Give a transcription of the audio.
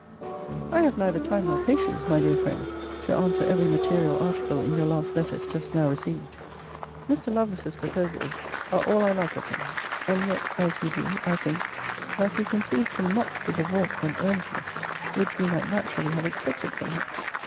I have neither time nor patience, my dear friend, to answer every material article in your last letters just now received. Mr. Lovelace's proposals are all I like of him. And yet (as you do) I think, that he concludes them not with the warmth and earnestness which we might naturally have expected from him.